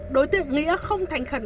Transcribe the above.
đối tiệp nghĩa không thành khẩn